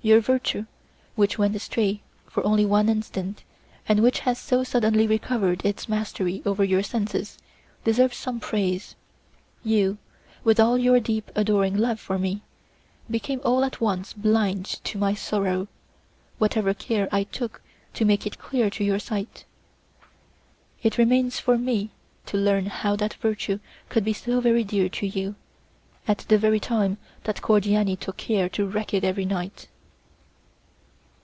Your virtue, which went astray for only one instant, and which has so suddenly recovered its mastery over your senses, deserves some praise. You, with all your deep adoring love for me, became all at once blind to my sorrow, whatever care I took to make it clear to your sight. It remains for me to learn how that virtue could be so very dear to you, at the very time that Cordiani took care to wreck it every night."